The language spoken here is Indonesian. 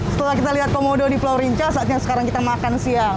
setelah kita lihat komodo di pulau rinca saatnya sekarang kita makan siang